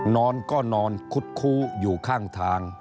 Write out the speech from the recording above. นอนก็นอนคุดคู้อยู่ข้างทาง